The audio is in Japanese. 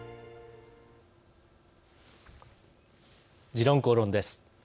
「時論公論」です。